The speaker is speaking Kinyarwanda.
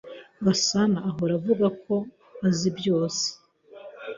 Gasana ahora avuga nkuko azi byose.